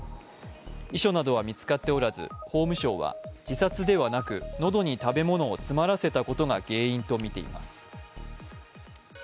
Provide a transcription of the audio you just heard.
遺書などは見つかっておらず法務省は自殺ではなく、喉に食べ物を詰まらせたことが原因とみています。